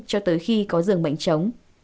cho tới khi có dường bệnh chống